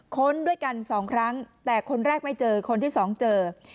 ค้นด้วยกัน๒ครั้งแต่คนแรกไม่เจอคนที่สองเจอ